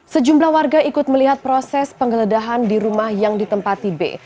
sejumlah warga ikut melihat proses penggeledahan di rumah yang ditempati b